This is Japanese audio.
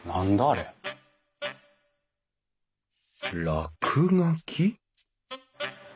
落書き？